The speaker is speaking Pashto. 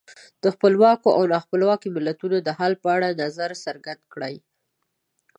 د خپلواکو او نا خپلواکو ملتونو د حال په اړه نظر څرګند کړئ.